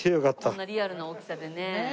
こんなリアルな大きさでね。